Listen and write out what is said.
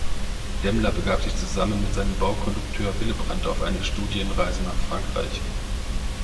Demmler begab sich zusammen mit seinem Baukondukteur Willebrand auf eine Studienreise nach Frankreich.